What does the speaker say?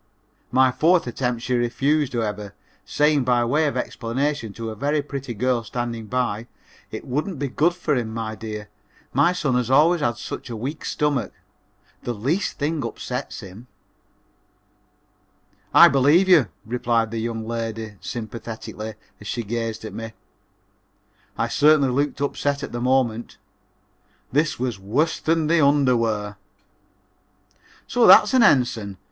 My fourth attempt she refused, however, saying by way of explanation to a very pretty girl standing by, "It wouldn't be good for him, my dear; my son has always had such a weak stomach. The least little thing upsets him." [Illustration: "SHE WAS GREATLY DELIGHTED WITH THE Y.M.C.A."] "I believe you," replied the young lady, sympathetically, as she gazed at me. I certainly looked upset at the moment. This was worse than the underwear. "So that's an Ensign!"